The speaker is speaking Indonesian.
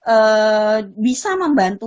ee bisa membantu